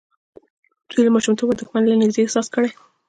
دوی له ماشومتوبه دښمن له نږدې احساس کړی.